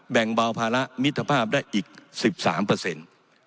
แบ่งเบาภาระมิตรภาพได้อีก๑๓เปอร์เซ็นต์